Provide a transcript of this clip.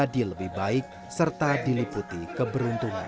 menjadi lebih baik serta diliputi keberuntungan